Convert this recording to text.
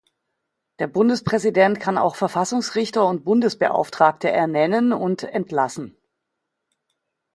Der Bundespräsident kann auch Verfassungsrichter und Bundesbeauftragte ernennen und entlassen.